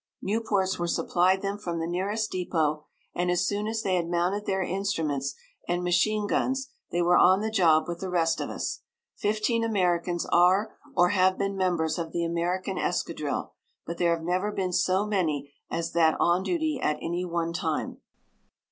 Nieuports were supplied them from the nearest depot, and as soon as they had mounted their instruments and machine guns, they were on the job with the rest of us. Fifteen Americans are or have been members of the American Escadrille, but there have never been so many as that on duty at any one time.